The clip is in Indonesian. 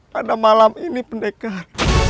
pada malam ini pendekar